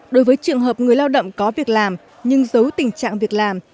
đối với trường hợp người lao động có việc làm nhưng giấu tình trạng việc làm